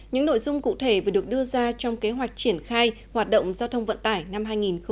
những nội dung cụ thể vừa được đưa ra trong kế hoạch triển khai hoạt động giao thông vận tải năm hai nghìn hai mươi